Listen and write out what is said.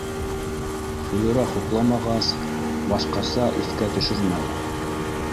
Флүрә хупламағас, башҡаса иҫкә төшөрмәне